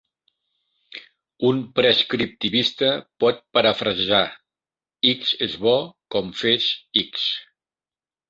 Un prescriptivista pot parafrasejar "X és bo" com "Fes X!".